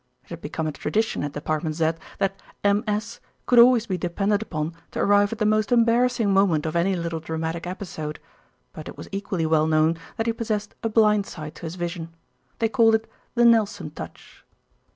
It had become a tradition at Department Z that "M.S." could always be depended upon to arrive at the most embarrassing moment of any little dramatic episode; but it was equally well known that he possessed a "blind side" to his vision. They called it "the Nelson touch."